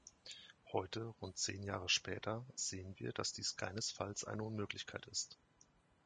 Heute, rund zehn Jahre später, sehen wir, dass dies keinesfalls eine Unmöglichkeit ist.